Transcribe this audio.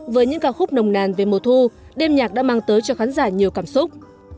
với những ca khúc nồng nàn về mùa thu đêm nhạc đã mang tới cho khán giả nhiều cảm xúc